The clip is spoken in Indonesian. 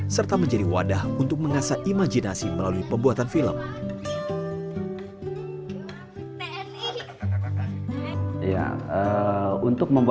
serta menjadi wadah untuk mengasah imajinasi melalui pembuatan film